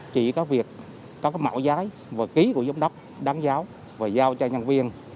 chỉ có việc có mẫu giấy và ký của giám đốc đáng giáo và giao cho nhân viên